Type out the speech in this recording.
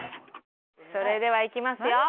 それではいきますよ。